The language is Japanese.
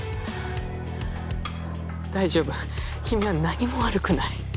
大丈夫君は何も悪くない。